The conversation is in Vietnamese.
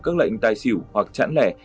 các lệnh tài xỉu hoặc chẳng lẻ